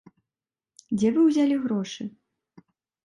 Дзе вы ўзялі грошы?